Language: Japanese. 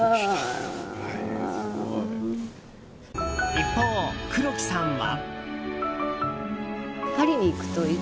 一方、黒木さんは。